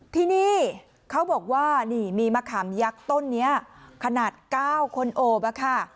ที่นี่เขาบอกว่านี่มีมะขามยักษ์ต้นนี้ขนาด๙คนโอบอะค่ะ